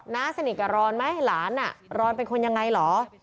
้าสนิทกับรอนไหมหลานรอนเป็นคนยังไงเหรอ